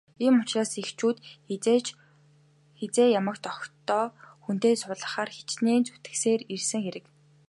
Ийм ч учраас эхчүүд хэзээ ямагт охидоо хүнтэй суулгахаар хичээн зүтгэсээр ирсэн хэрэг.